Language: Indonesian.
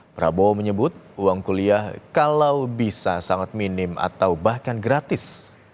prabowo menyebut uang kuliah kalau bisa sangat minim atau bahkan gratis